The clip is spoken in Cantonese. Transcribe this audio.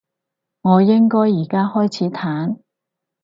我應該而家開始彈？